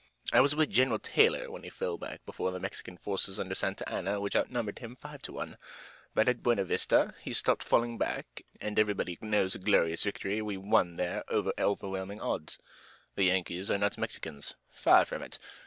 "I was with General Taylor when he fell back before the Mexican forces under Santa Anna which outnumbered him five to one. But at Buena Vista he stopped falling back, and everybody knows the glorious victory we won there over overwhelming odds. The Yankees are not Mexicans. Far from it.